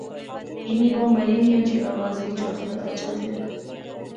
انیں بہوں مری نیاں جیا آواز وچ آخیا۔۔۔ اچھا فیر